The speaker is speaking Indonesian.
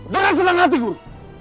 dengan senang hati gua